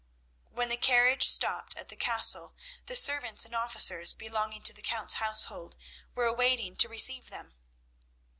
When the carriage stopped at the Castle, the servants and officers belonging to the Count's household were waiting to receive them.